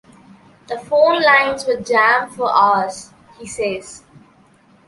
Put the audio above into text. "The phone lines were jammed for hours," he says.